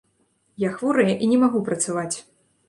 Я хворая і не магу працаваць!